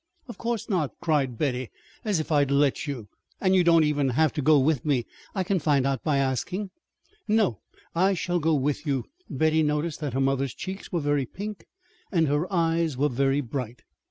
"Of course not!" cried Betty. "As if I'd let you and you don't even have to go with me. I can find out by asking." "No, I shall go with you." Betty noticed that her mother's cheeks were very pink and her eyes very bright.